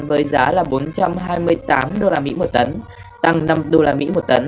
với giá bốn trăm hai mươi tám usd một tấn